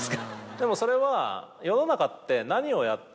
でもそれは世の中って。